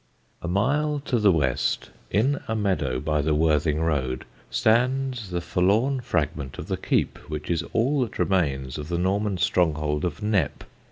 A mile to the west, in a meadow by the Worthing road, stands the forlorn fragment of the keep which is all that remains of the Norman stronghold of Knepp.